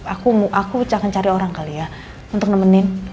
aku akan cari orang kali ya untuk nemenin